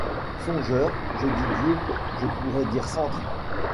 songeur, je dis Dieu ; je pourrais dire Centre.